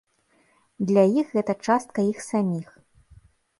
Для іх гэта частка іх саміх.